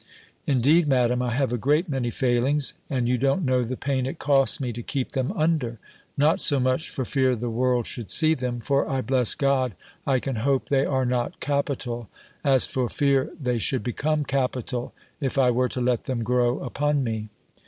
Indeed, Madam, I have a great many failings: and you don't know the pain it costs me to keep them under; not so much for fear the world should see them, for I bless God, I can hope they are not capital, as for fear they should become capital, if I were to let them grow upon me.